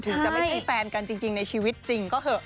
จะไม่ใช่แฟนกันจริงในชีวิตจริงก็เหอะ